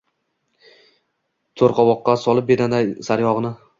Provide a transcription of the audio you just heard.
toʼrqovoqqa solib bedana sayrogʼini